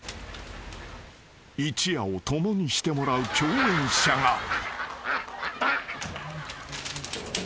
［一夜を共にしてもらう共演者が］